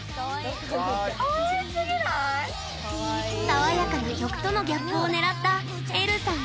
爽やかな曲とのギャップをねらったえるさん